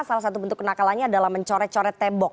salah satu bentuk kenakalannya adalah mencoret coret tembok